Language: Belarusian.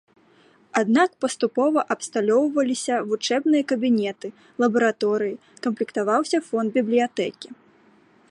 Аднак паступова абсталёўваліся вучэбныя кабінеты, лабараторыі, камплектаваўся фонд бібліятэкі.